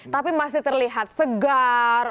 tapi masih terlihat segar